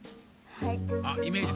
はい。